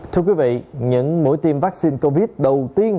thưa quý vị những mũi tiêm vaccine covid đầu tiên